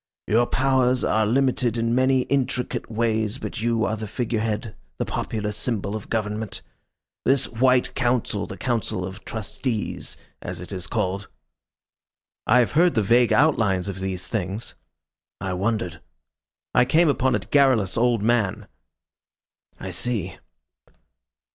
Your powers are limited in many intricate ways, but you are the figure head, the popular symbol of government. This White Council, the Council of Trustees as it is called " "I have heard the vague outline of these things." "I wondered." "I came upon a garrulous old man." "I see....